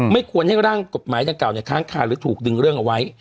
ไม่ควรให้ร่างกฎหมายดังกล่าวค้างคาหรือถูกดึงเรื่องเอาไว้